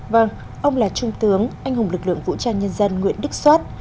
vâng ông là trung tướng anh hùng lực lượng vũ trang nhân dân nguyễn đức soát